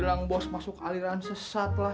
bilang bos masuk aliran sesat lah